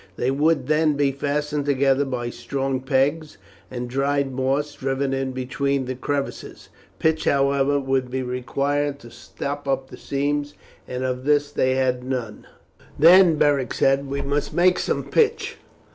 They would then be fastened together by strong pegs and dried moss driven in between the crevices. Pitch, however, would be required to stop up the seams, and of this they had none. "Then," Beric said, "we must make some pitch.